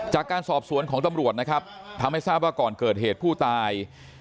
จากการสอบสวนของตำรวจนะครับทำให้ทราบว่าก่อนเกิดเหตุผู้ตาย